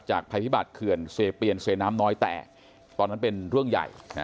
ภัยพิบัตรเขื่อนเซเปียนเซน้ำน้อยแตกตอนนั้นเป็นเรื่องใหญ่